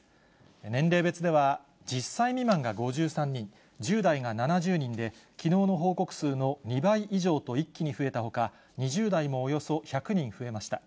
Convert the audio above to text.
年齢別では１０歳未満が５３人、１０代が７０人で、きのうの報告数の２倍以上と、一気に増えたほか、２０代もおよそ１００人増えました。